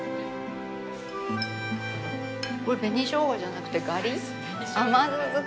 これ紅しょうがじゃなくてガリ甘酢漬け。